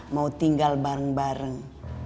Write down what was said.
mau tinggal bareng bareng